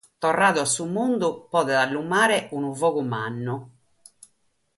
Torradu a su mundu, podet allumare unu fogu mannu.